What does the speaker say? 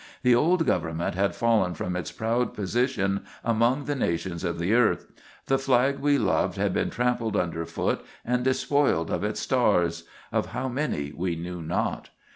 The old government had fallen from its proud position among the nations of the earth. The flag we loved had been trampled under foot and despoiled of its stars of how many we knew not.